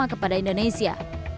sama kepada indonesia